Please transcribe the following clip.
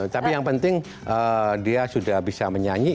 tapi yang penting dia sudah bisa menyanyi